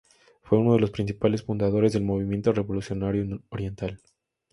Fue uno de los principales fundadores del Movimiento Revolucionario Oriental.